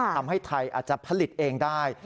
ทำให้ไทยอาจจะผลิตเองได้